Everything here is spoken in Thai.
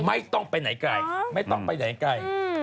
ไม่ต้องไปไหนไกลไม่ต้องไปไหนไกล